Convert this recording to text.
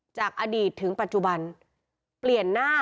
จากอดีตถึงปัจจุบัน